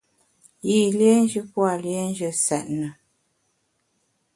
Yî liénjù pua liénjù nsètne.